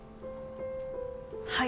はい。